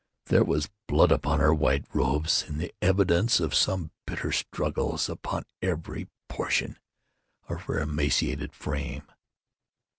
There was blood upon her white robes, and the evidence of some bitter struggle upon every portion of her emaciated frame.